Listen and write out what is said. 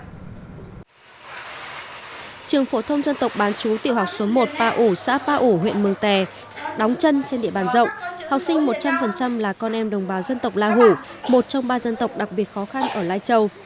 trường phổ thông dân tộc bán chú tiểu học số một pa ủ xã pa ủ huyện mường tè đóng chân trên địa bàn rộng học sinh một trăm linh là con em đồng bào dân tộc la hủ một trong ba dân tộc đặc biệt khó khăn ở lai châu